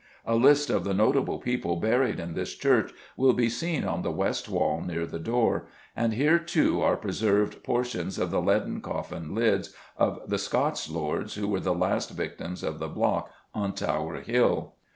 A list of the notable people buried in this church will be seen on the west wall near the door, and here, too, are preserved portions of the leaden coffin lids of the Scots lords who were the last victims of the block on Tower Hill.